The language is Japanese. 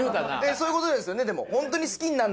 そういうことですよねでも。